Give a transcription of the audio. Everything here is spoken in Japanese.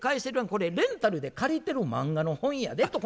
これレンタルで借りてる漫画の本やでとこないなったんや。